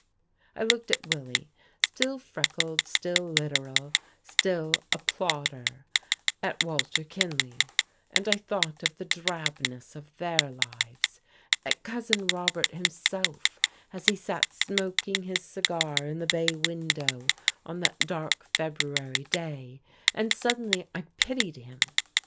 I looked at Willie, still freckled, still literal, still a plodder, at Walter Kinley, and I thought of the drabness of their lives; at Cousin Robert himself as he sat smoking his cigar in the bay window on that dark February day, and suddenly I pitied him.